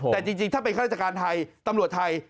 แต่จริงถ้าเป็นข้าราชการไทยตำรวจไทย